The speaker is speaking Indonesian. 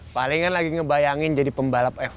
palingan lagi ngebayangin jadi pembalap f satu